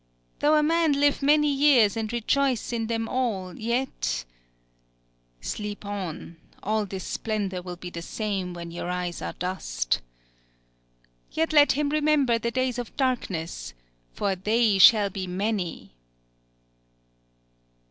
'_Though a man live many years and rejoice in them all, yet _'... Sleep on! all this splendor will be the same when your eyes are dust!... 'Yet let him remember the days of darkness; FOR THEY SHALL BE MANY!